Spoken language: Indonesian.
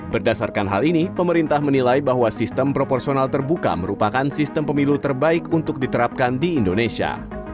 berdasarkan hal ini pemerintah menilai bahwa sistem proporsional terbuka merupakan sistem pemilu terbaik untuk diterapkan di indonesia